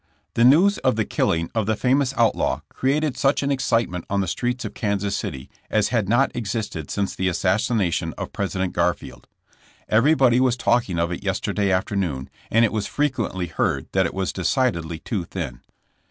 The news of the killing of the famous outlaw created such an excitement on the streets of Kansas City as had not existed since the assassination of Pres ident Garfield. Everybody was talking of it yester day afternoon, and it was frequently heard that it was ''decidedly too thin."